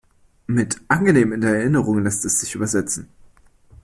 Mit „Angenehm in der Erinnerung“" lässt es sich übersetzen.